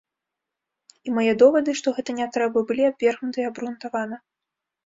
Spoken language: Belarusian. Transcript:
І мае довады, што гэта не трэба, былі абвергнутыя абгрунтавана.